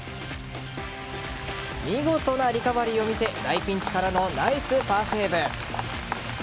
見事なリカバリーを見せ大ピンチからのナイスパーセーブ。